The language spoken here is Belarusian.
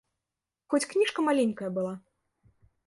Хоць кніжка маленькая была.